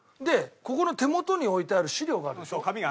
でここの手元に置いてある資料があるでしょ？